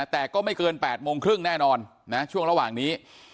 แต่ก็ไม่เกิน๘โมงครึ่งแน่นอนนะช่วงระหว่างนี้